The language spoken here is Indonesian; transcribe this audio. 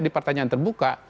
di pertanyaan terbuka